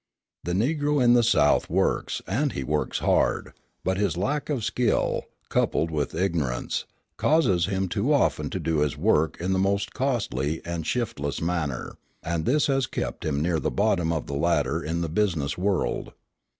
The Negro in the South works, and he works hard; but his lack of skill, coupled with ignorance, causes him too often to do his work in the most costly and shiftless manner, and this has kept him near the bottom of the ladder in the business world.